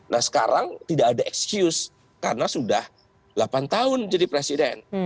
nah sekarang tidak ada excuse karena sudah delapan tahun jadi presiden